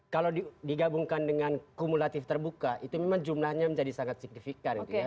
kalau digabungkan dengan kumulatif terbuka itu memang jumlahnya menjadi sangat signifikan